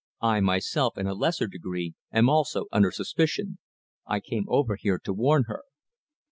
I myself, in a lesser degree, am also under suspicion. I came over here to warn her."